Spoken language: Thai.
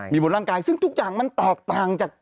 มีบนร่างกายซึ่งทุกอย่างมันแตกต่างจาก